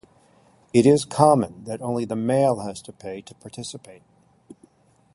It is common that only the male has to pay to participate.